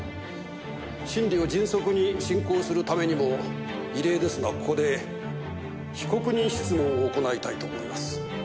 審理を迅速に進行するためにも異例ですがここで被告人質問を行いたいと思います。